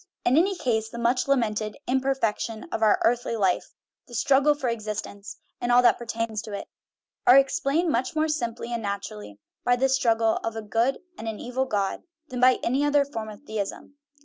In any case, the much lamented " imperfection of our earthly life," the "struggle for existence," and all that pertains to it, are explained much more simply and naturally by this struggle of a good and an evil god than by any other form of theism.